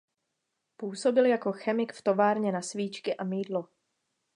Působil jako chemik v továrně na svíčky a mýdlo.